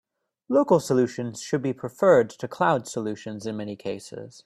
Local solutions should be preferred to cloud solutions in many cases.